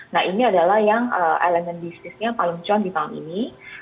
nah ini adalah yang elemen bisnisnya paling cuan di tahun ini